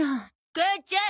母ちゃん。